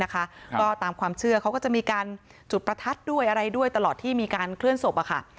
ก็ตามความเชื่อมีการจุดประทัดด้วยตลอดที่มีการเคลื่อนสบ